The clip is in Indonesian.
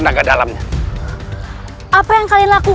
anda bakal menangkut siapapun